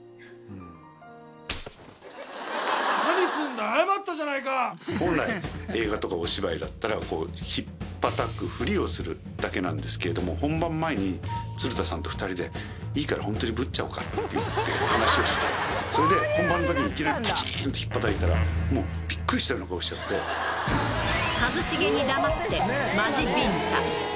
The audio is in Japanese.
何すんだよ、本来、映画とかお芝居だったら、ひっぱたくふりをするだけなんですけど、本番前に、鶴田さんと２人で、いいから本当にぶっちゃおうかって言って、話をして、それで本番のときにいきなりぱちーんとひっぱたいたら、もうびっ一茂に黙ってマジビンタ。